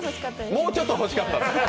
もうちょっとほしかったですね。